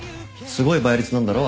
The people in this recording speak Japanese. すごい倍率なんだろ？